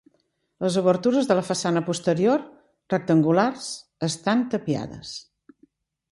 Les obertures de la façana posterior, rectangulars, estan tapiades.